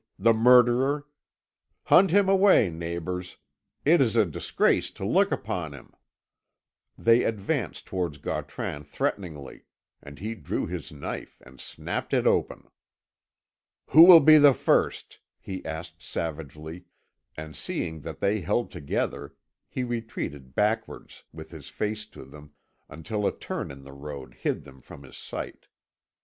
the murderer! Hunt him away, neighbours. It is a disgrace to look upon him." They advanced towards Gautran threateningly, and he drew his knife and snapped it open. "Who will be the first?" he asked savagely, and seeing that they held together, he retreated backwards, with his face to them, until a turn in the road hid them from his sight.